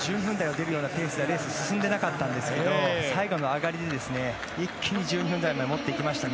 １０分台が出るようなペースではなかったんですが最後の上がりで一気に１２分台まで持ってきましたね。